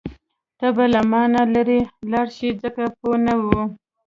ته به له مانه لرې لاړه شې ځکه پوه نه وې.